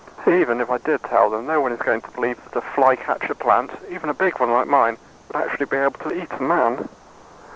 Even if I did tell them, no one is going to believe that a fly catcher plant even a big one like mine would actually be able to eat a man.